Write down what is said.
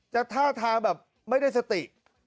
ท่าทางแบบไม่ได้สติ